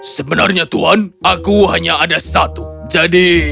sebenarnya tuhan aku hanya ada satu jadi